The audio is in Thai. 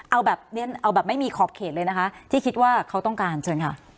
เอาแบบเรียนเอาแบบไม่มีขอบเขตเลยนะคะที่คิดว่าเขาต้องการเชิญค่ะ